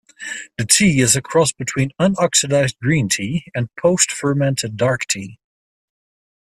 The tea is a cross between unoxidized green tea and post-fermented dark tea.